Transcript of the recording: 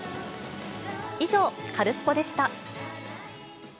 以上、カルスポっ！でした。